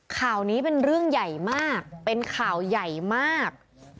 ข่าวนี้เป็นเรื่องใหญ่มากเป็นข่าวใหญ่มาก